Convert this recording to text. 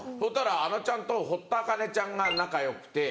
あのちゃんと堀田茜ちゃんが仲良くて。